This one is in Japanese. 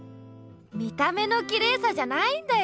見た目のきれいさじゃないんだよ。